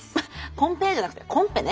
コンペじゃなくてコンペね。